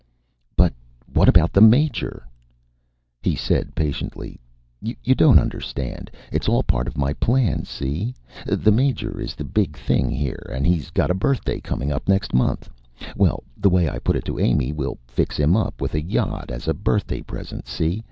"But what about the Major " He said patiently: "You don't understand. It's all part of my plan, see? The Major is the big thing here and he's got a birthday coming up next month. Well, the way I put it to Amy, we'll fix him up with a yacht as a birthday present, see?